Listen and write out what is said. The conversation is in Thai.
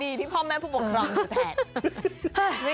ดีที่พ่อแม่ผู้ปกครองอยู่แทน